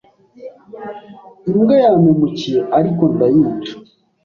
imbwa yampekuye ariko ndayica